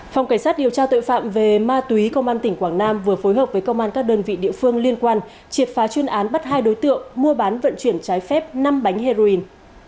phòng cảnh sát điều tra tội phạm về ma túy công an tỉnh quảng nam vừa phối hợp với công an các đơn vị địa phương liên quan triệt phá chuyên án bắt hai đối tượng mua bán vận chuyển trái phép năm bánh heroin